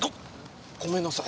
ごごめんなさい。